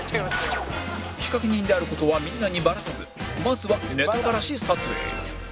仕掛け人である事はみんなにバラさずまずはネタバラシ撮影